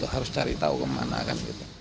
harus cari tahu kemana